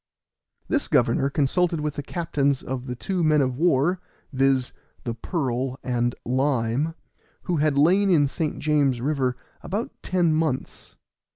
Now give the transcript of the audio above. This governor consulted with the captains of the two men of war, viz., the Pearl and Lime, who had lain in St. James's river about ten months.